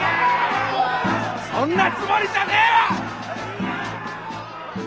そんなつもりじゃねえわ！